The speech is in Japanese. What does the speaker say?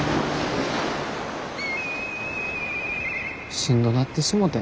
しんどなってしもてん。